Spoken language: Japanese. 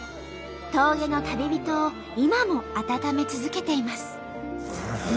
峠の旅人を今も温め続けています。